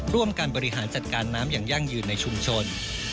ร่วมการบริหารจัดการน้ำอย่างยั่งยืนในชุมชน